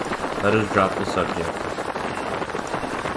Let us drop the subject.